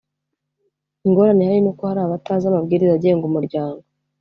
Ingorane ihari n’uko hari abatazi amabwiriza agenga umuryango